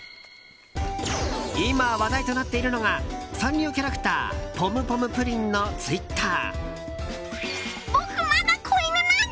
今、話題となっているのがサンリオキャラクターポムポムプリンのツイッター。